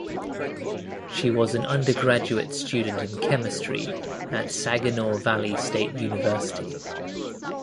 She was an undergraduate student in chemistry at Saginaw Valley State University.